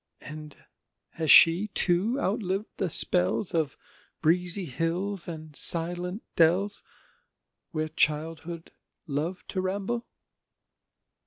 And has she too outliv'd the spells Of breezy hills and silent dells, Where childhood loved to ramble?